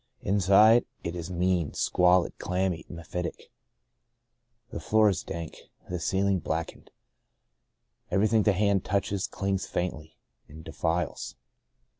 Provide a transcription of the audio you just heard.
Inside, it is mean, squalid, clammy, mephitic. The floor is dank, the ceiling blackened. Everything the hand touches clings faintly, and defiles.